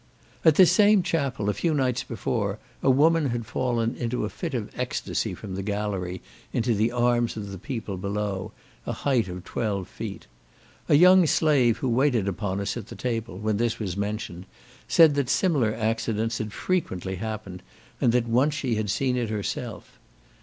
At this same chapel, a few nights before, a woman had fallen in a fit of ecstasy from the gallery, into the arms of the people below, a height of twelve feet. A young slave who waited upon us at table, when this was mentioned, said, that similar accidents had frequently happened, and that once she had seen it herself.